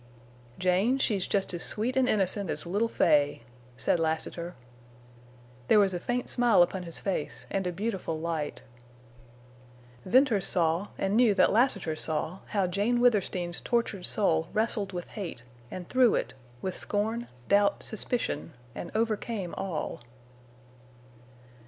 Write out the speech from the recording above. "Jane, she's jest as sweet an' innocent as little Fay," said Lassiter. There was a faint smile upon his face and a beautiful light. Venters saw, and knew that Lassiter saw, how Jane Withersteen's tortured soul wrestled with hate and threw it—with scorn doubt, suspicion, and overcame all.